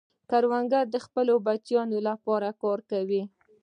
کروندګر د خپلو بچیانو لپاره کار کوي